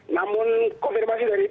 namun konfirmasi dari